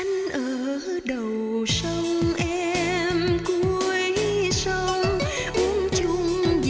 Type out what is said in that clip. học thơ mình mong